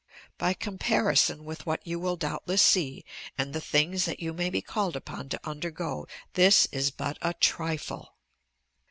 By comparison with what you will doubtless see and the things that you may be called upon to undergo, this is but a trifle."